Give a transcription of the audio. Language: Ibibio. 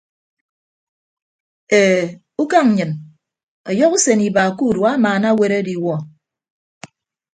E ukañ nnyịn ọyọhọ usen iba ke urua amaana aweere adiwuọ.